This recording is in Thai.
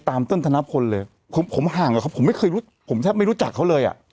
ห่างกว่าครับผมไม่เคยรู้ผมแทบไม่รู้จักเขาเลยอ่ะ